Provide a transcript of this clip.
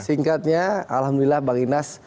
singkatnya alhamdulillah bang inas